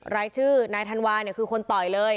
รายชื่อนายธันวาเนี่ยคือคนต่อยเลย